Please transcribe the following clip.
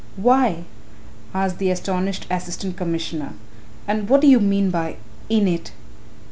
"Why?" asked the astonished Assistant Commissioner, "and what do you mean by 'in it'?"